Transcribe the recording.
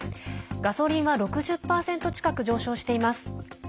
ガソリンは６０％近く上昇しています。